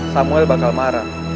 samuel bakal marah